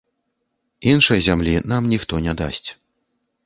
Іншай зямлі нам ніхто не дасць.